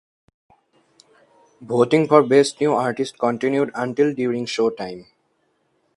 Voting for Best New Artist continued until during showtime.